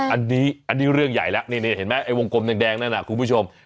อันนี้เรื่องใหญ่แล้วนี่เห็นไหมไอ้วงกลมแดงนั่นน่ะคุณผู้ชม